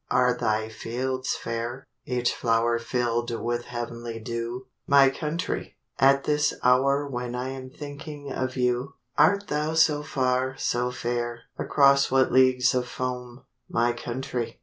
Are thy fields fair—each flower Fill'd with the heav'nly dew, My country, at this hour When I am thinking of you? Art thou so far, so fair? Across what leagues of foam, My country?